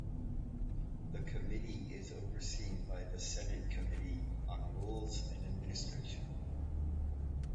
The committee is overseen by the Senate Committee on Rules and Administration.